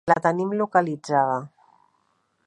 La tenim localitzada.